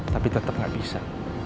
tapi tetap gak bisa